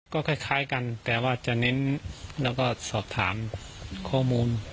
ก็คล้ายกันแต่ว่าจะเน้นแล้วก็สอบถามข้อมูล